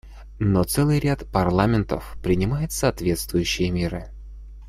Но целый ряд парламентов принимает соответствующие меры.